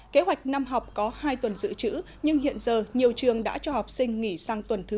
kế hoạch năm học có hai tuần dự trữ nhưng hiện giờ nhiều trường đã cho học sinh nghỉ sang tuần thứ sáu